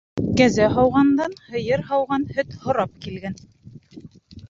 Кәзә һауғандан һыйыр һауған һөт һорап килгән.